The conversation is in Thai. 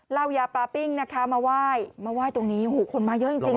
เหล้ายาปลาปิ้งนะคะมาไหว้มาไหว้ตรงนี้โอ้โหคนมาเยอะจริง